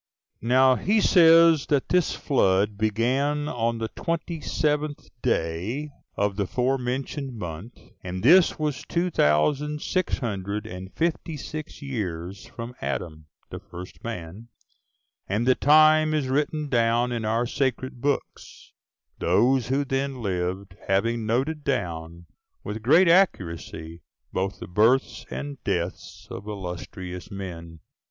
Now he says that this flood began on the twenty seventh [seventeenth] day of the forementioned month; and this was two thousand six hundred and fifty six [one thousand six hundred and fifty six] years from Adam, the first man; and the time is written down in our sacred books, those who then lived having noted down, with great accuracy, both the births and deaths of illustrious men.